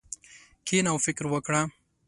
کښېنه او فکر وکړه.